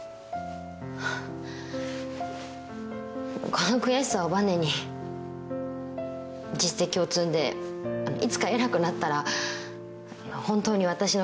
この悔しさをばねに実績を積んでいつか偉くなったら本当に私の書きたいもの。